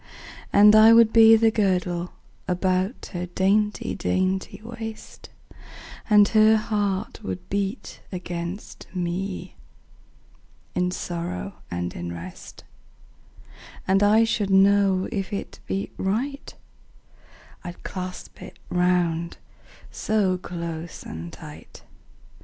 And I would be the girdle About her dainty dainty waist, And her heart would beat against me, In sorrow and in rest: 10 And I should know if it beat right, I'd clasp it round so close and tight.